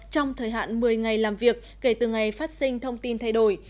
trong thời hạn một mươi ngày làm việc kể từ ngày phát sinh thông tin thay đổi